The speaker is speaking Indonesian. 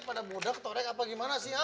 pada budak torek apa gimana sih ha